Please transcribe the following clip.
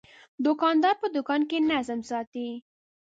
دوکاندار په دوکان کې نظم ساتي.